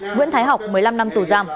nguyễn thái học một mươi năm năm tù giam